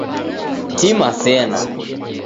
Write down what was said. Tima sena